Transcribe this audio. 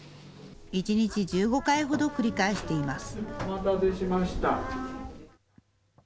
一日１５回ほど繰り返しています。